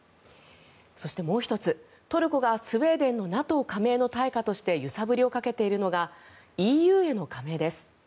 そして、もう１つトルコがスウェーデンのＮＡＴＯ加盟の対価として揺さぶりをかけているのがＥＵへの加盟です。